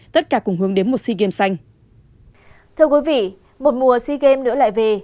thưa quý vị một mùa sea games nữa lại về